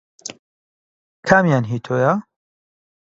کامیان هی تۆیە؟